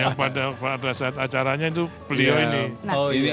yang pada saat acaranya itu beliau ini